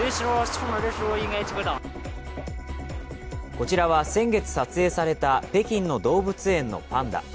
こちらは先月撮影された北京の動物園のパンダ。